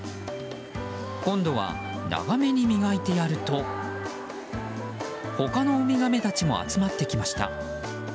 今度は長めに磨いてやると他のウミガメたちも集まってきました。